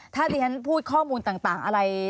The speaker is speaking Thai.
ถ้าดิฉันพูดข้อมูลต่างอะไร